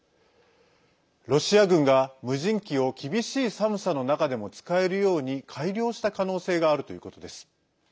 ロシア軍が無人機を厳しい寒さの中でも使えるように改良した可能性があるということです。